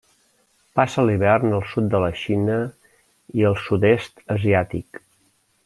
Passa l'hivern al sud de la Xina i el Sud-est asiàtic.